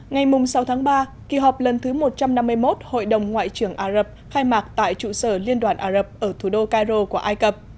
ngày sáu tháng ba kỳ họp lần thứ một trăm năm mươi một hội đồng ngoại trưởng ả rập khai mạc tại trụ sở liên đoàn ả rập ở thủ đô cairo của ai cập